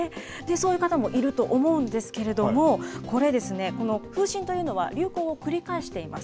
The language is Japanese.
そういう方もいると思うんですけれども、これ、風疹というのは流行を繰り返しています。